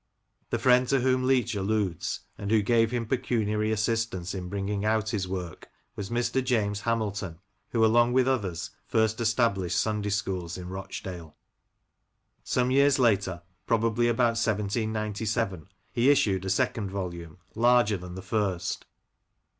The firiend to whom Leach alludes, and who gave him pecuniary assistance in bringing out his work, was Mr. James Hamilton, who along with others, first established Sunday schools in Rochdale. Some years later, probably about 1797, he issued a second volume, larger than the first.